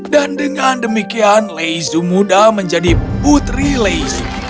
dan dengan demikian lezu muda menjadi putri lezu